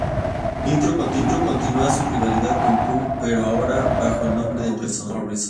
Nitro continuó su rivalidad con Punk, pero ahora bajo el nombre de "John Morrison".